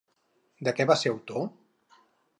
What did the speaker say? De què va ser autor?